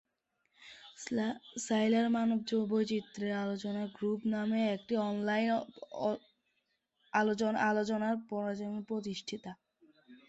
সাইলার "মানব জীববৈচিত্র্য আলোচনা গ্রুপ" নামে একটি অনলাইন আলোচনা ফোরামের প্রতিষ্ঠাতা।